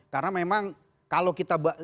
karena memang kalau kita lihat di dalamnya